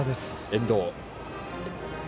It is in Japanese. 遠藤。